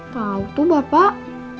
tau tuh bapak